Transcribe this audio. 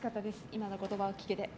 今の言葉を聞けて。